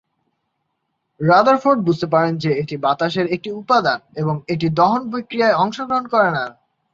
Rutherford বুঝতে পারেন যে এটি বাতাসের একটি উপাদান এবং এটি দহন বিক্রিয়ায় অংশগ্রহণ করে না।